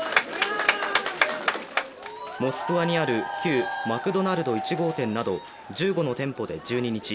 モスクワにある旧マクドナルド１号店など、１５の店舗で１２日